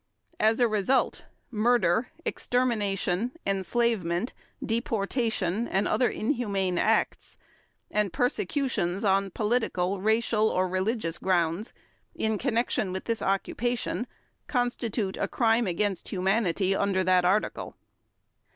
As a result, "murder, extermination, enslavement, deportation, and other inhumane acts" and "persecutions on political, racial, or religious grounds" in connection with this occupation constitute a Crime against Humanity under that Article.